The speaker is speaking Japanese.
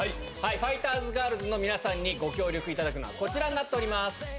ファイターズガールズの皆さんにご協力いただくのは、こちらになっております。